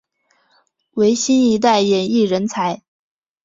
为新一代演艺人才。